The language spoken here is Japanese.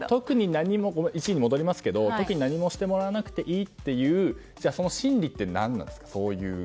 １位に戻りますけど特に何もしてもらわなくていいっていうその心理って何なんですか。